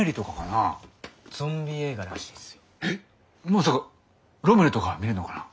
まさかロメロとか見るのかな。